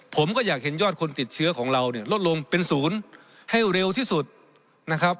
ผมก็อยากเห็นยอดคนติดเชื้อของเราเนี่ยลดลงเป็นศูนย์ให้เร็วที่สุดนะครับ